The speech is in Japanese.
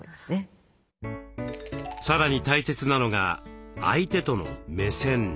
さらに大切なのが相手との「目線」。